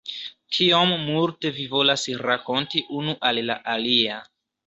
Tiom multe vi volas rakonti unu al la alia.